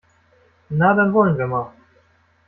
Na, dann wollen wir mal!